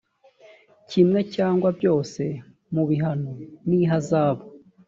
kimwe cyangwa byose mu bihano n ihazabu